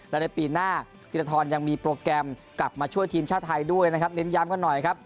และในปีหน้าธิรทรยังมีโปรแกรมกลับมาช่วยทีมชาติไทยด้วยนะครับเน้นย้ำกันหน่อยครับ